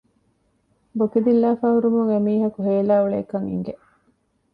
ބޮކި ދިއްލާފައި ހުރުމުން އެމީހަކު ހޭލާ އުޅޭކަން އިނގެ